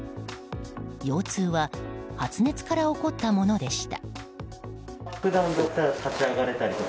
腰痛は発熱から起こったものでした。